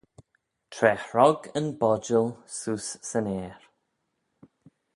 Tra hrog yn bodjal seose 'syn aer.